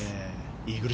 イーグル